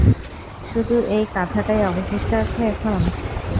শুধু এই কাঁথাটাই অবশিষ্ট আছে এখন?